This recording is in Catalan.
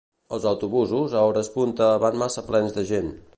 Els autobusos a hores punta van massa plens de gent